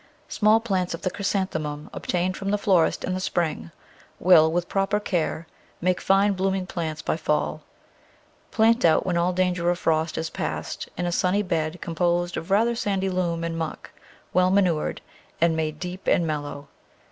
Small plants of the Chrysanthemum obtained from the florist in the spring will, with proper care, make fine blooming plants by fall. Plant out, when all dan ger of frost is past, in a sunny bed composed of rather sandy loam and muck well manured and made deep and mellow.